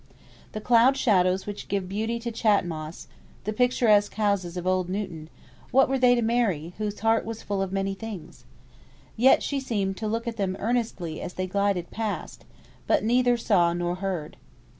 The cloud shadows which give beauty to Chat Moss, the picturesque old houses of Newton, what were they to Mary, whose heart was full of many things? Yet she seemed to look at them earnestly as they glided past; but she neither saw nor heard.